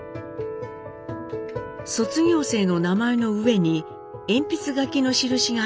卒業生の名前の上に鉛筆書きの印がありました。